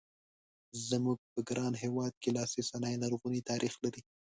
زموږ په ګران هېواد کې لاسي صنایع لرغونی تاریخ لري.